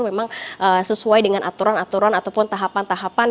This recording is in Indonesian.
memang sesuai dengan aturan aturan ataupun tahapan tahapan